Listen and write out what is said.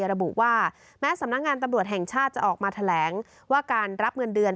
ระบุว่าแม้สำนักงานตำรวจแห่งชาติจะออกมาแถลงว่าการรับเงินเดือน